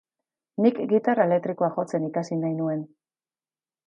Nik gitarra elektrikoa jotzen ikasi nahi nuen.